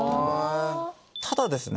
ただですね